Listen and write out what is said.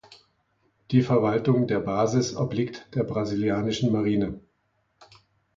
Die Verwaltung der Basis obliegt der brasilianischen Marine.